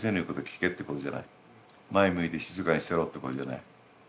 前向いて静かにしてろってことじゃない。